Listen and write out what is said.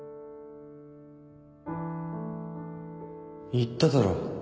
言っただろ